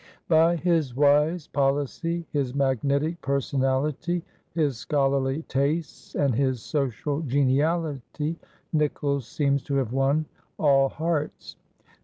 By his wise policy, his magnetic personality, his scholarly tastes, and his social geniality, Nicolls seems to have won all hearts.